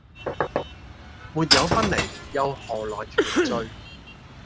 沒有分離，又可來團聚！